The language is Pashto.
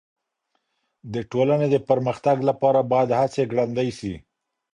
د ټولني د پرمختګ لپاره بايد هڅې ګړندۍ سي.